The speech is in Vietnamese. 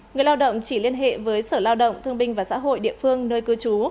người lao động chỉ liên hệ với sở lao động thương binh và xã hội địa phương nơi cư trú